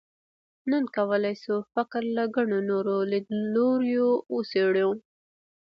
نن کولای شو فقر له ګڼو نورو لیدلوریو وڅېړو.